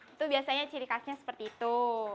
itu biasanya ciri khasnya seperti itu